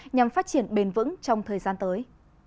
nhằm phát triển bền vững trong thời gian tới